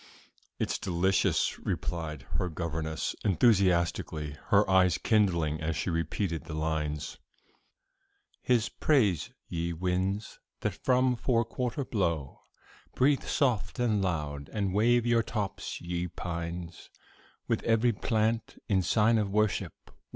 "It is delicious," replied her governess, enthusiastically, her eyes kindling as she repeated the lines: "'His praise, ye winds, that from four quarter blow, Breathe soft and loud; and wave your tops, ye pines, With every plant, in sign of worship.